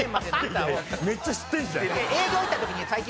いやめっちゃ知ってるじゃん。